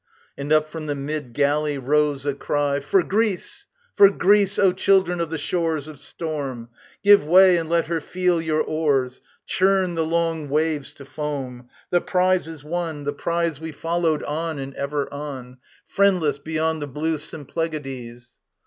And up from the mid galley rose a cry: "For Greece! For Greece, O children of the shores Of storm! Give way, and let her feel your oars; Churn the long waves to foam. The prize is won. The prize we followed, on and ever on, Friendless beyond the blue Symplegades."